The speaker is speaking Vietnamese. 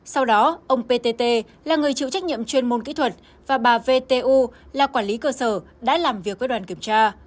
sau đó ông ptt là người chịu trách nhiệm chuyên môn kỹ thuật và bà vtu là quản lý cơ sở đã làm việc với đoàn kiểm tra